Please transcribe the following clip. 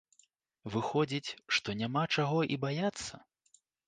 Выходзіць, што няма чаго і баяцца?